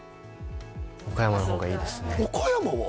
岡山の方がいいですね岡山は？